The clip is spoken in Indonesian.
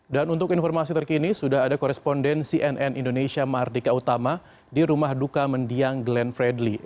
dan untuk informasi terkini sudah ada koresponden cnn indonesia mardika utama di rumah duka mendiang glenn fredly